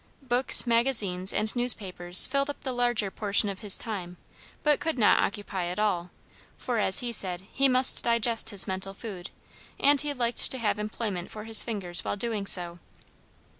Books, magazines, and newspapers filled up the larger portion of his time, but could not occupy it all, for, as he said, he must digest his mental food, and he liked to have employment for his fingers while doing so.